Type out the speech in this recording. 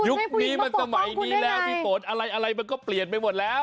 นี้มันสมัยนี้แล้วพี่ฝนอะไรมันก็เปลี่ยนไปหมดแล้ว